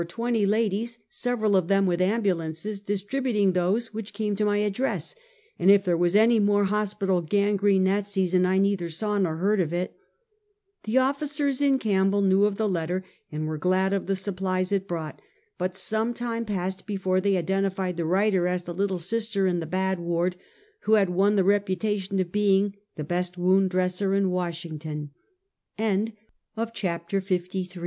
253 twenty ladies, several of tliem with ambulances, dis tributing those which came to my address, and if there was any n^ore hospital gangrene that season I neither saw nor heard of it. The officers in Campbell knew of the letter, and were glad of the supplies it brought, but some time passed before they identified the writer as the little sister in the bad ward, who had won the reputation